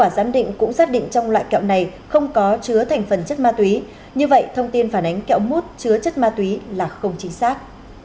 giám định cũng xác định trong loại kẹo này không có chứa thành phần chất ma túy như vậy thông tin phản ánh kẹo mút chứa chất ma túy là không chính xác